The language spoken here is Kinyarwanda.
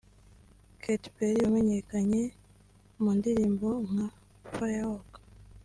Katy perry wamenyekanye mu ndirimbo nka Firework